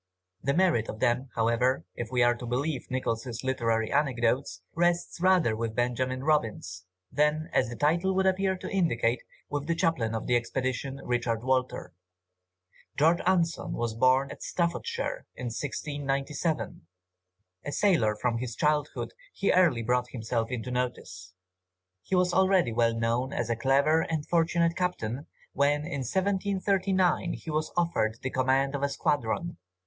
The merit of them, however, if we are to believe Nichols' Literary anecdotes, rests rather with Benjamin Robins, than, as the title would appear to indicate, with the chaplain of the expedition, Richard Walter. George Anson was born in Staffordshire in 1697. A sailor from his childhood, he early brought himself into notice. He was already well known as a clever and fortunate captain, when in 1739 he was offered the command of a squadron.